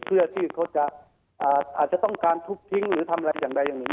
เพื่อที่เขาจะอาจจะต้องการทุบทิ้งหรือทำอะไรอย่างใดอย่างหนึ่ง